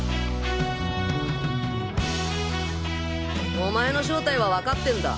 お前の正体はわかってんだ。